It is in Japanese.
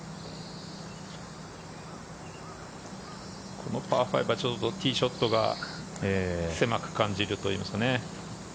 このパー５はちょっとティーショットが狭く感じるといいますかね。